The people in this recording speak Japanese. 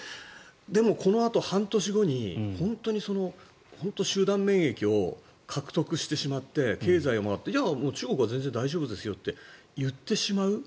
でも、このあと半年後に本当に集団免疫を獲得してしまって経済は回って中国は全然大丈夫ですよって言ってしまう。